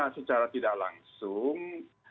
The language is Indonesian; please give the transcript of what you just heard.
secara tidak langsung